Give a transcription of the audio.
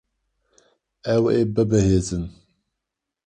Ew ê bibihîzin.